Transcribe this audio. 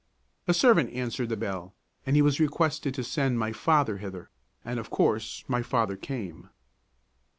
A servant answered the bell, and he was requested to send my father hither, and, of course, my father came.